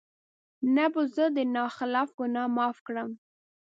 نه به زه د نا خلف ګناه معاف کړم